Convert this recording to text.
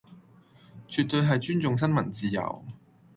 絕對係尊重新聞自由